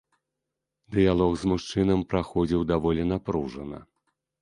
Дыялог з мужчынам праходзіў даволі напружана.